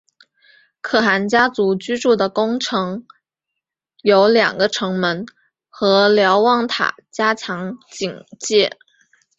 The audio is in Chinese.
可汗家族居住的宫城有两个城门和瞭望塔加强警戒。